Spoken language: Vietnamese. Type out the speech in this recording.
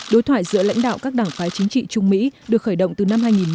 đối thoại giữa lãnh đạo các đảng phái chính trị trung mỹ được khởi động từ năm hai nghìn một mươi